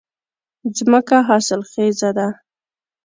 ځمکه حاصلخېزه ده